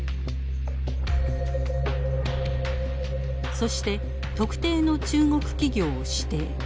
そして特定の中国企業を指定。